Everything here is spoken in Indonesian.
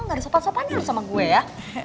gak ada sopan sopan ya lo sama gue ya